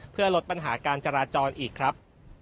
เพื่อลดปัญหาการจราจรอีกครับ